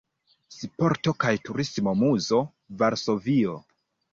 Sporto kaj Turismo-Muzo, Varsovio.